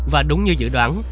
và đúng như dự đoán